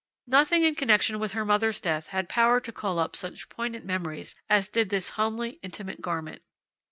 Nothing in connection with her mother's death had power to call up such poignant memories as did this homely, intimate garment.